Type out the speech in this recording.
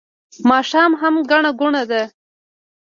ماښام هم ګڼه ګوڼه ده